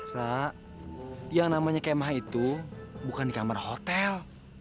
rak yang namanya kemah itu bukan di kamar hotel